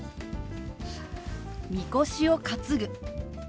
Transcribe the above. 「みこしを担ぐ」。